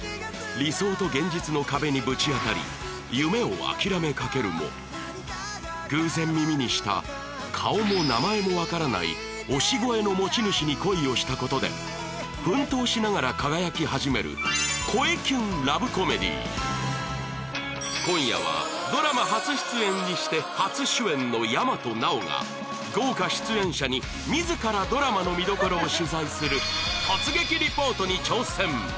理想と現実の壁にぶち当たり夢を諦めかけるも偶然耳にした顔も名前もわからない推し声の持ち主に恋をしたことで奮闘しながら輝き始める今夜はドラマ初出演にして初主演の大和奈央が豪華出演者に自らドラマの見どころを取材する突撃リポートに挑戦